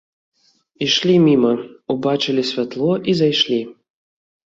Ішлі міма, убачылі святло і зайшлі.